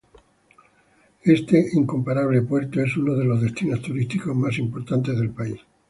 Este incomparable puerto es uno de los destinos turísticos más importantes del país.